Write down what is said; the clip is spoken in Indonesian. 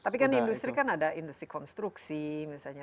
tapi kan industri kan ada industri konstruksi misalnya